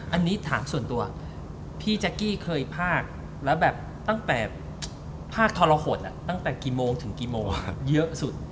อันนี้ถามส่วนตัวพี่แจ๊กกี้เคยภาคแล้วแบบตั้งแต่ภาคทรหดตั้งแต่กี่โมงถึงกี่โมงครับเยอะสุด